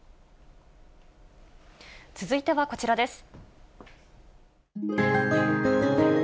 続いてはこちらです。